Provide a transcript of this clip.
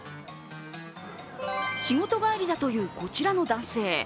仕事帰りだというこちらの男性。